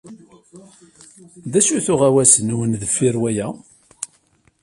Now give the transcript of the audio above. D acu-t uɣawas-nwen deffir waya?